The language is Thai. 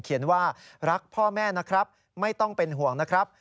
ว่ารักพ่อแม่นะครับไม่ต้องเป็นห่วงนะครับ